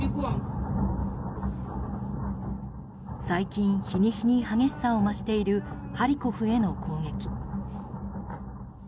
最近、日に日に激しさを増しているハリコフへの攻撃。